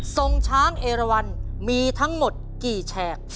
ทรงช้างเอราวันมีทั้งหมดกี่แฉก